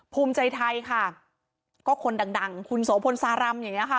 ภูมิใจไทยค่ะก็คนดังดังคุณโสพลสารำอย่างเงี้ค่ะ